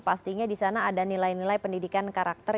pastinya disana ada nilai nilai pendidikan karakter